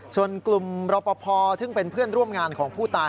ส่วนกลุ่มรอปภซึ่งเป็นเพื่อนร่วมงานของผู้ตาย